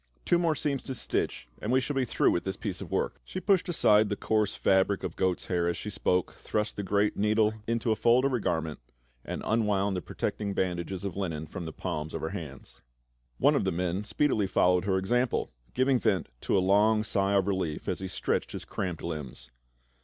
Two more seams to stitch and we shall be through with this piece of work." She pushed aside the coarse fabric of goat's hair as she spoke, thrust the great needle into a fold of her garment, and unwound the protecting bandages of linen from the palms of her hands. One of the men speedily followed her example, giving vent to a long sigh of relief as he stretched his cramped limbs.